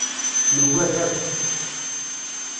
Nugad akk.